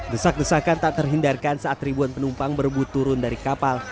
desak desakan tak terhindarkan saat ribuan penumpang berebut turun dari kapal